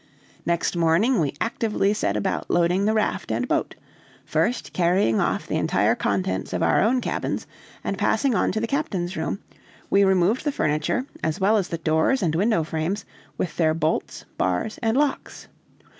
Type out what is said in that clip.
Next morning we actively set about loading the raft and boat: first carrying off the entire contents of our own cabins; and passing on to the captain's room, we removed the furniture, as well as the doors and window frames, with their bolts, bars, and locks.